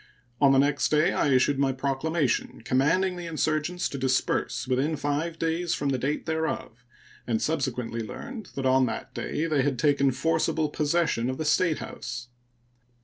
On the next day I issued my proclamation commanding the insurgents to disperse within five days from the date thereof, and subsequently learned that on that day they had taken forcible possession of the statehouse.